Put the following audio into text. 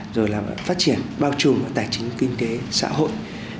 rồi là phát triển bao trùm tài chính kinh tế xã hội